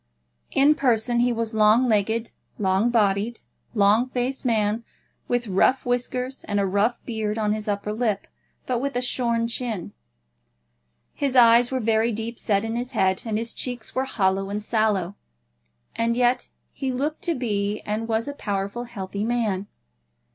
In person he was a long legged, long bodied, long faced man, with rough whiskers and a rough beard on his upper lip, but with a shorn chin. His eyes were very deep set in his head, and his cheeks were hollow and sallow, and yet he looked to be and was a powerful, healthy man.